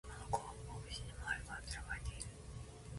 あの子は八方美人で周りから嫌われている